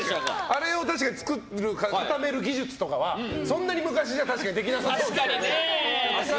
あれを確かに固める技術とかはそんなに昔じゃ確かにできなそう。